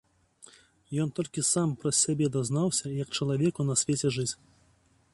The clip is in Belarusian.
Ён толькі сам праз сябе дазнаўся, як чалавеку на свеце жыць.